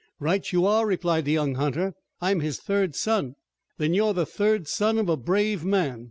"Right you are," replied the young hunter, "I'm his third son." "Then you're the third son of a brave man.